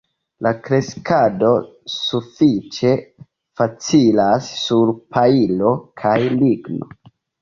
La kreskado sufiĉe facilas sur pajlo kaj ligno.